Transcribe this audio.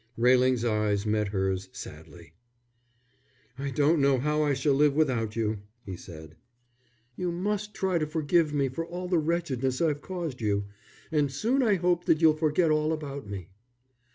Railing's eyes met hers sadly. "I don't know how I shall live without you," he said. "You must try and forgive me for all the wretchedness I've caused you. And soon I hope that you'll forget all about me."